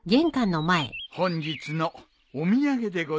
本日のお土産でございます。